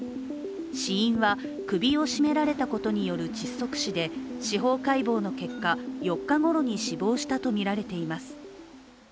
死因は首を絞められたことによる窒息死で司法解剖の結果、４日ごろに死亡したとみられています。